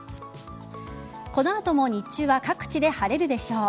この後も日中は各地で晴れるでしょう。